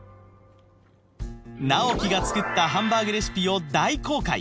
直木が作ったハンバーグレシピを大公開！